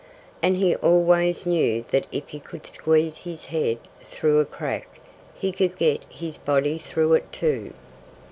And he always knew that if he could squeeze his head through a crack he could get his body through it, too.